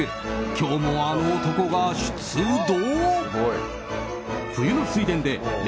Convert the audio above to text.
今日もあの男が出動。